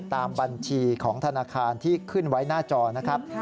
ตามบัญชีของธนาคารที่ขึ้นไว้หน้าจอนะครับ